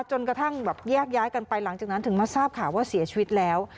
จนกระทั่งแบบแยกย้ายกันไปหลังจากนั้นถึงมาทราบข่าวว่าเสียชีวิตแล้ว